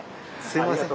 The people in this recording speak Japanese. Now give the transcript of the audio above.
すみません。